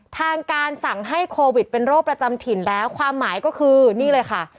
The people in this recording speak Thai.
ทางการสั่งให้โควิดเป็นโรคประจำถิ่นแล้วความหมายก็คือนี่เลยค่ะ